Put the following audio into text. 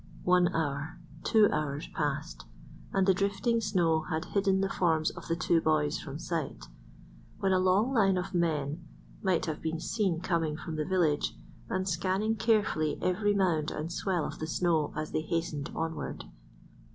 One hour, two hours passed, and the drifting snow had hidden the forms of the two boys from sight, when a long line of men might have been seen coming from the village and scanning carefully every mound and swell of the snow as they hastened onward.